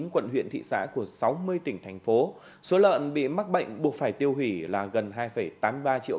bốn quận huyện thị xã của sáu mươi tỉnh thành phố số lợn bị mắc bệnh buộc phải tiêu hủy là gần hai tám mươi ba triệu